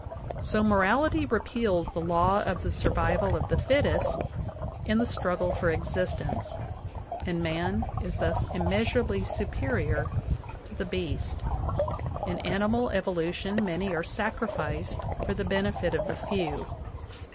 So morality repeals the law of the survival of the fittest in the struggle for existence, and man is thus immeasurably superior to the beast. In animal evolu tion many are sacrified for the benefit of the few.